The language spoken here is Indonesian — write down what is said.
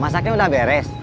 masaknya udah beres